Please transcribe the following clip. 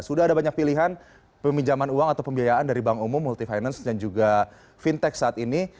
sudah ada banyak pilihan peminjaman uang atau pembiayaan dari bank umum multi finance dan juga fintech saat ini